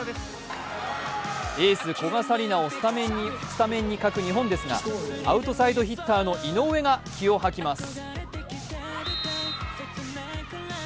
エース・古賀紗理那をスタメンに欠く日本ですがアウトサイドヒッターの井上が気を吐きます。